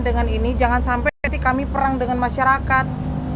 dengan ini jangan sampai nanti kami perang dengan masyarakat